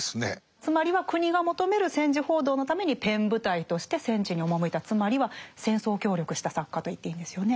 つまりは国が求める戦時報道のためにペン部隊として戦地に赴いたつまりは戦争協力した作家と言っていいんですよね。